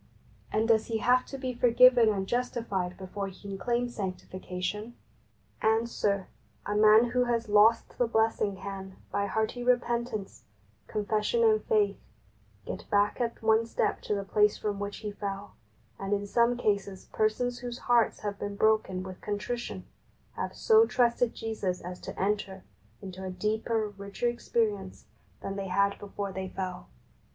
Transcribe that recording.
and does he have to be forgiven and justified before he can claim sanctification ? Answer : A man who has lost the blessing can, by hearty repentance, confession and faith, get back at one step to the place from which he fell, and in some cases persons whose hearts have been broken with contrition have so trusted Jesus as to enter into a deeper, richer ex perience than they had before they fell.